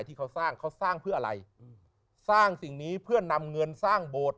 ที่เขาสร้างเขาสร้างเพื่ออะไรสร้างสิ่งนี้เพื่อนำเงินสร้างโบสถ์